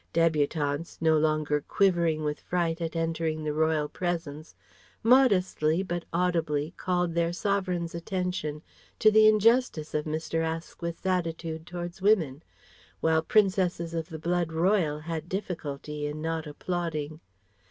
Debutantes, no longer quivering with fright at entering the Royal Presence, modestly but audibly called their Sovereign's attention to the injustice of Mr. Asquith's attitude towards women, while princesses of the Blood Royal had difficulty in not applauding.